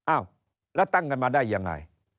อ้าวแล้วตั้งกันมาได้ยังไง